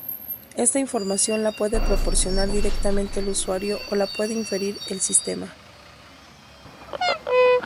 Esta información la puede proporcionar directamente el usuario o la puede inferir el sistema.